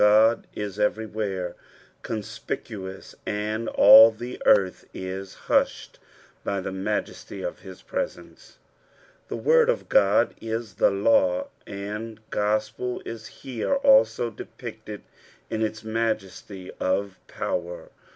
Ood is eixrytchere cojtspicuous, and alt ihe »arth is husked bjr the majesiii a his presence. TV word of Ood In the law and gospel is here also depicted in Ha majesty of power.